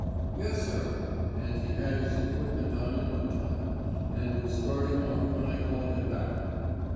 "Yes, sir!" and he had his equipment on in no time, and was starting off when I called him back.